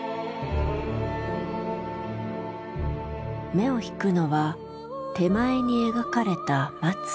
目を引くのは手前に描かれた松。